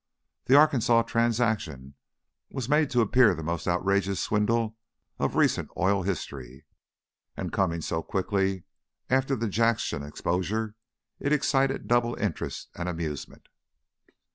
The Arkansas transaction was made to appear the most outrageous swindle of recent oil history, and, coming so quickly after the Jackson exposure, it excited double interest and amusement.